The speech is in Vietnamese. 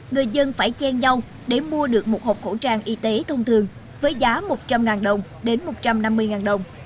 người dân phải chen nhau để mua được một hộp khẩu trang y tế thông thường với giá một trăm linh đồng đến một trăm năm mươi đồng